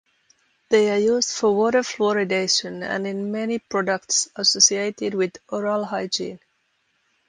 They are used for water fluoridation and in many products associated with oral hygiene.